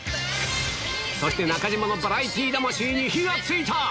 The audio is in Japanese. そして中島のバラエティー魂に火がついた。